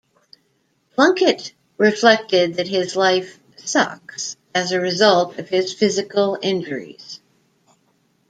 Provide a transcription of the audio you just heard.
Plunkett reflected that his life "sucks" as a result of his physical injuries.